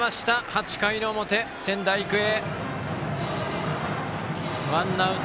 ８回の表、仙台育英。